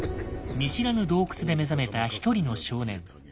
見知らぬ洞窟で目覚めた一人の少年。